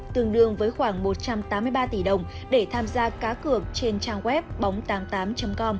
tương đương với khoảng một trăm tám mươi ba tỷ đồng để tham gia cá cược trên trang web bóng tám mươi tám com